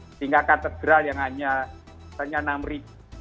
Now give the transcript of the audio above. sehingga katedral yang hanya enam ribu